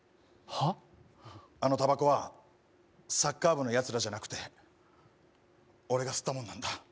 あのたばこは、サッカー部のやつらじゃなくて俺が吸ったもんなんだ。